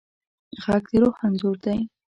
غږ د روح انځور دی